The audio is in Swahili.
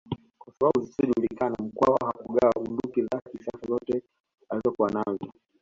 Kwa sababu zisizojulikana Mkwawa hakugawa bunduki za kisasa zote alizokuwa nazo